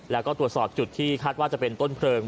แล้วก็ตรวจสอบจุดที่คาดว่าจะเป็นต้นเพลิง